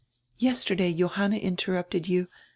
Yesterday Johanna interrupted you.